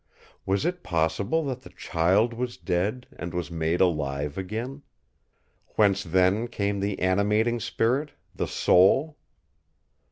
Was it possible that the child was dead and was made alive again? Whence then came the animating spirit—the soul?